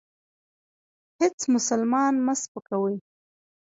هیڅ مسلمان مه سپکوئ.